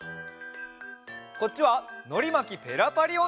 こっちは「のりまきペラパリおんど」のえ！